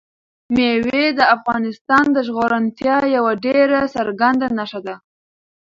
مېوې د افغانستان د زرغونتیا یوه ډېره څرګنده نښه ده.